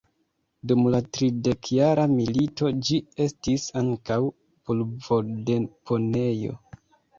Dum la Tridekjara milito ĝi estis ankaŭ pulvodeponejo.